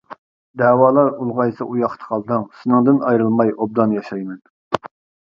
دەۋالار ئۇلغايسا ئۇياتقا قالدىڭ، سېنىڭدىن ئايرىلماي ئوبدان ياشايمەن.